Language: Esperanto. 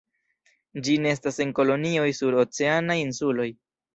Ĝi nestas en kolonioj sur oceanaj insuloj.